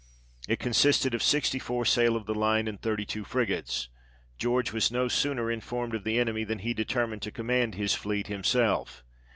It consisted of sixty four sail of the line and thirty two frigates ; George was no sooner in formed of the enemy than he determined to command his fleet himself.